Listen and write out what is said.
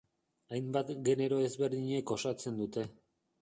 Hainbat genero ezberdinek osatzen dute.